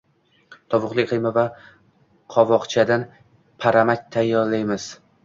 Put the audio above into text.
Tovuqli qiyma va qovoqchadan paramach tayyorlaymiz